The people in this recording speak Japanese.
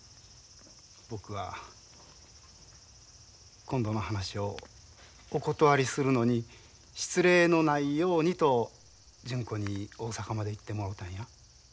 僕は今度の話をお断りするのに失礼のないようにと純子に大阪まで行ってもろたんや。